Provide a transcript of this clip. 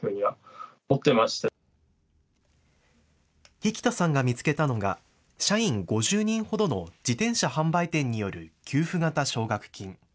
引田さんが見つけたのが社員５０人ほどの自転車販売店による給付型奨学金。